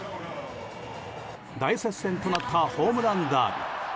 大接戦となったホームランダービー。